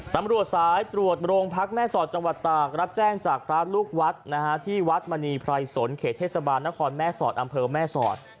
ตำรวจสายตรวจโรงพักแม่สอดจังหวัดตากรับแจ้งจากพระลูกวัดที่วัดมณีไพรสนเขตเทศบาลนครแม่สอดอำเภอแม่สอด